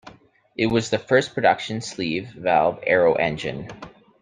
It was the first production sleeve valve aero engine.